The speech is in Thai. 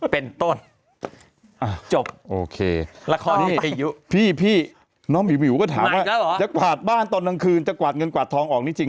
เป็นต้น